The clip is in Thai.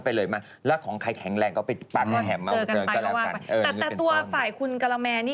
พี่แมนไม่ไหวพี่ติดต่อเติมก็เห็นไอจีพี่แมน